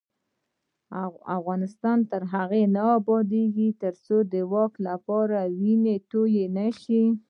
افغانستان تر هغو نه ابادیږي، ترڅو د واک لپاره وینه تویه نشي.